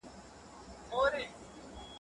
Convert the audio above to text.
حاد فشار اډرینالین خوشې کوي.